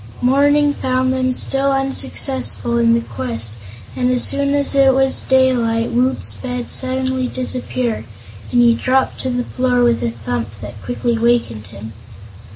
Morning found them still unsuccessful in the quest and as soon as it was daylight Woot's bed suddenly disappeared, and he dropped to the floor with a thump that quickly wakened him.